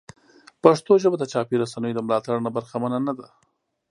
پښتو ژبه د چاپي رسنیو د ملاتړ نه برخمنه نه ده.